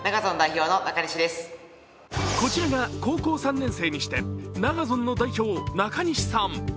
こちらが高校３年生にしてＮＡＧＡＺＯＮの代表・中西さん。